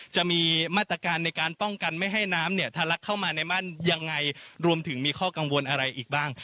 จะมีมาตรการในการป้องกันไม่ให้น้ำเนี่ยทะลักเข้ามาในบ้านยังไงรวมถึงมีข้อกังวลอะไรอีกบ้าง